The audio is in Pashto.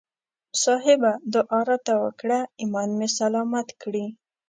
صاحبه دعا راته وکړه ایمان مې سلامت کړي.